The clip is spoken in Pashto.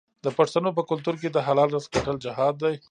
د پښتنو په کلتور کې د حلال رزق ګټل جهاد دی.